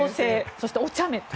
そして、おちゃめ。